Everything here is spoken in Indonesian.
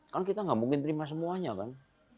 kan kita nggak mungkin terima semuanya kan